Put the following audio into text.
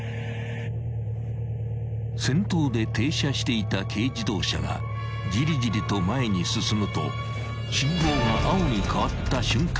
［先頭で停車していた軽自動車がじりじりと前に進むと信号が青に変わった瞬間に急発進］